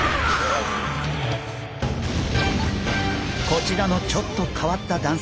こちらのちょっと変わった男性。